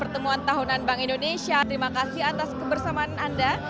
terima kasih atas kebersamaan anda